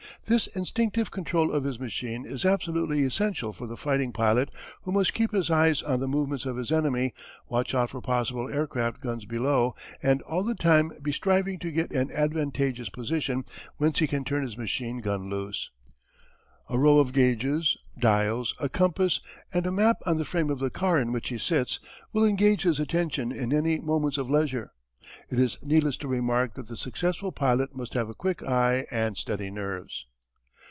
This instinctive control of his machine is absolutely essential for the fighting pilot who must keep his eyes on the movements of his enemy, watch out for possible aircraft guns below, and all the time be striving to get an advantageous position whence he can turn his machine gun loose. A row of gauges, dials, a compass, and a map on the frame of the car in which he sits will engage his attention in any moments of leisure. It is needless to remark that the successful pilot must have a quick eye and steady nerves.